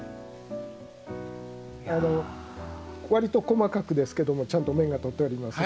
あの割と細かくですけどもちゃんと面が取ってありますので。